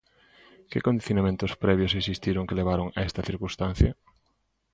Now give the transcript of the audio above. Que condicionamentos previos existiron que levaron a esta circunstancia?